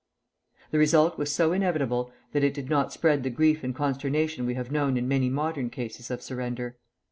The result was so inevitable that it did not spread the grief and consternation we have known in many modern cases of surrender.